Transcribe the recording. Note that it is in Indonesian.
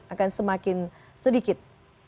akan semakin sedikit